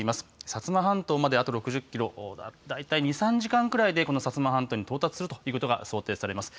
薩摩半島まであと６０キロ、大体２、３時間くらいでこの薩摩半島に到達するということが想定されます。